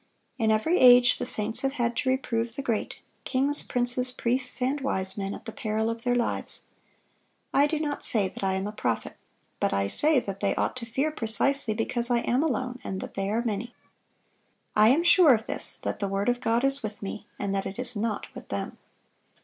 In every age, the saints have had to reprove the great, kings, princes, priests, and wise men, at the peril of their lives.... I do not say that I am a prophet; but I say that they ought to fear precisely because I am alone and that they are many. I am sure of this, that the word of God is with me, and that it is not with them."